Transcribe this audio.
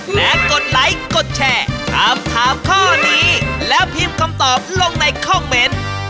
และกดไลค์กดแชร์ถามถามข้อนี้แล้วพิมพ์คำตอบลงในคอมเมนต์